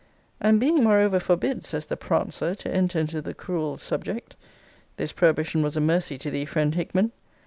'And being moreover forbid,' says the prancer, 'to enter into the cruel subject.' This prohibition was a mercy to thee, friend Hickman!